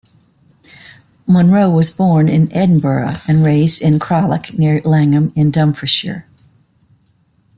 Monro was born in Edinburgh and raised at Craigcleuch near Langholm in Dumfriesshire.